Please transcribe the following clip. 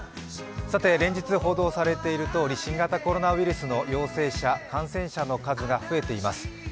連日、報道されているとおり新型コロナウイルスの陽性者感染者の数が増えています。